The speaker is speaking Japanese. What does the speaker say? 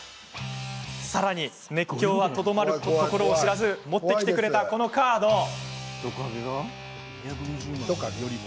さらに熱狂はとどまるところを知らず持ってきてくれたこのカードは？